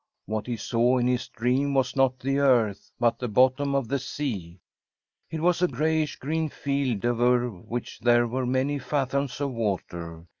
What he saw in his dream was not the earth, but the bottom of the sea. It was a grayish green field, over which there were many fathoms of water.